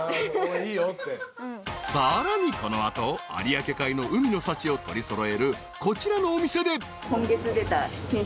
［さらにこの後有明海の海の幸を取り揃えるこちらのお店で］